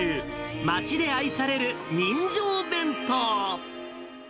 町で愛される人情弁当。